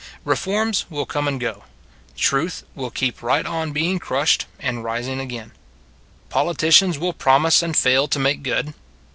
Reforms will come and go : Truth will A Grizzled Voter 77 keep right on being crushed and rising again. Politicians will promise and fail to make good.